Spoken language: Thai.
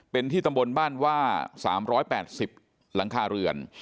เป็นที่ตำบลบ้านว่า๓๘๐หลังคาเรือน